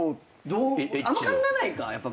あんま考えないか。